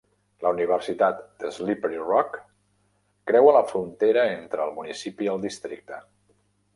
La universitat d'Slippery Rock creua la frontera entre el municipi i el districte.